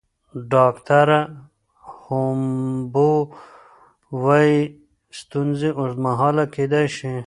ډاکټره هومبو وايي ستونزې اوږدمهاله کیدی شي.